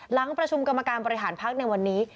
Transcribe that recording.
หลังประชุมกรรมการบริหารพักในวันนี้